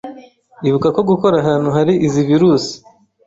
Ibuka ko gukora ahantu hari izi virus